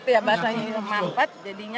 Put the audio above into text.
itu ya bahasanya mampet